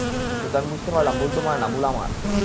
কিন্তু আমি বুঝতে পারলাম, ভুল তোমার না, ভুল আমার।